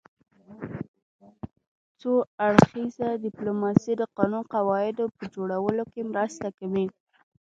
څو اړخیزه ډیپلوماسي د قانوني قواعدو په جوړولو کې مرسته کوي